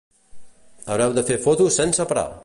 Haureu de fer fotos sense parar!